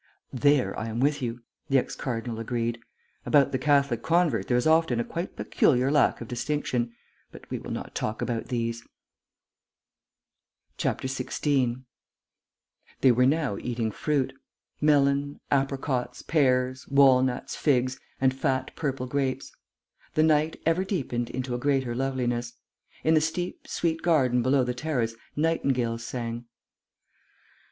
"There I am with you," the ex cardinal agreed. "About the Catholic convert there is often a quite peculiar lack of distinction.... But we will not talk about these." 16 They were now eating fruit. Melon, apricots, pears, walnuts, figs, and fat purple grapes. The night ever deepened into a greater loveliness. In the steep, sweet garden below the terrace nightingales sang.